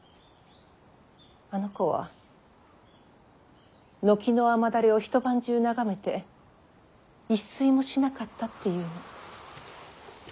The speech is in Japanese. あの子は軒の雨だれを一晩中眺めて一睡もしなかったっていうの。